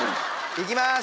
いきます。